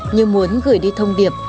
như muốn gửi đi thông điệp